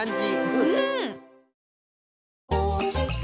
うん！